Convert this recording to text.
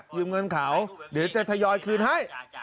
หรือจะทยอยคืนให้